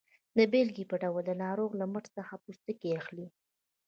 د بیلګې په ډول د ناروغ له مټ څخه پوستکی اخلي.